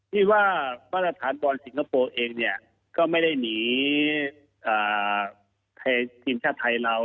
คิดว่ามาตรฐานตอนสิงคโปร์เองก็ไม่ได้หนีชีวิตชาติไทยราว